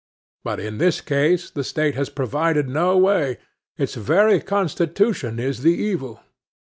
But in this case the State has provided no way: its very Constitution is the evil.